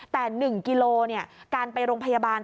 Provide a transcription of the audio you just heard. แต่๑กิโลการไปโรงพยาบาล